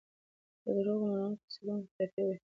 د دروغو منونکي په څېړونکو ټاپې وهي.